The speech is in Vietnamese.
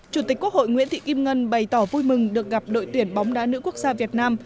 chủ tịch quốc hội nguyễn thị kim ngân bày tỏ vui mừng được gặp đội tuyển bóng đá nữ quốc gia việt nam